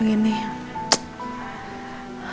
masih betul betul terus begini ya